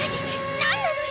何なのよ！